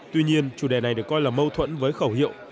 tuy nhiên chủ đề này được coi là mâu thuẫn với khẩu hiệu